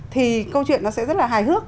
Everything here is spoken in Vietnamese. thì câu chuyện nó sẽ rất là hài hước